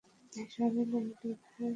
এই শহরের নামের দু’ধরনের বানান চোখে পড়ে।